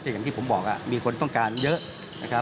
อย่างที่ผมบอกมีคนต้องการเยอะ